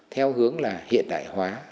theo hướng là hiện đại hóa